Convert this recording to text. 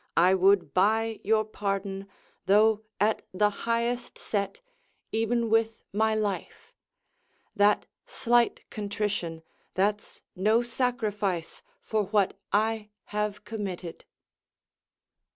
I would buy your pardon, Though at the highest set, even with my life: That slight contrition, that's no sacrifice For what I have committed.